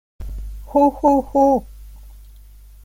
Ho, ho, ho!